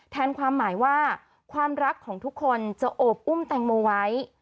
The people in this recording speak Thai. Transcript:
ความหมายว่าความรักของทุกคนจะโอบอุ้มแตงโมไว้